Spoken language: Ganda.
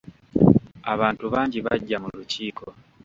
Abantu bangi bajja mu lukiiko.